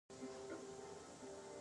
شعر د احساساتو ژبه ده